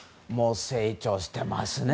成長してますね。